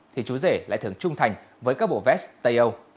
thì chú rể lại thường trung thành với các bộ vest tây âu